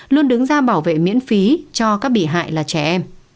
luôn đứng ra bảo vệ miễn phí cho các bị hại là trẻ em